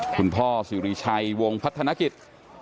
คุณพ่อสิริชัยวงพัฒนกิจ